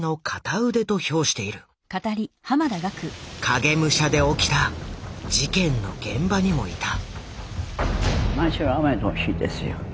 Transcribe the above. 「影武者」で起きた事件の現場にもいた。